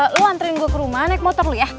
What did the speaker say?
lo anterin gue ke rumah naik motor lo ya